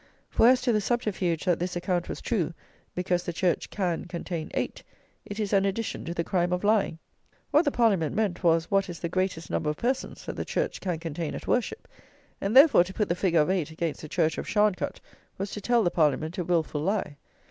For as to the subterfuge that this account was true, because the church "can contain eight," it is an addition to the crime of lying. What the Parliament meant was, what "is the greatest number of persons that the church can contain at worship;" and therefore to put the figure of 8 against the church of Sharncut was to tell the Parliament a wilful lie.